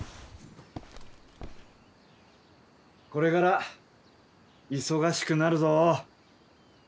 これから忙しくなるぞ。